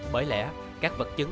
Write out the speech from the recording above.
bởi lẽ các vật chứng